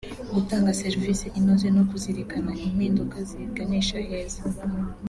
gutanga serevise inoze no kuzirikana impinduka ziganisha heza